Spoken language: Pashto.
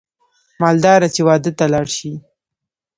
مالداره چې واده ته لاړ شي